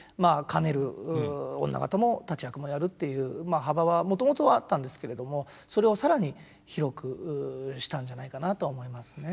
兼ねる女方も立役もやるっていうまあ幅はもともとはあったんですけれどもそれを更に広くしたんじゃないかなとは思いますね。